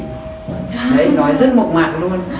đấy nói rất mộc mạng luôn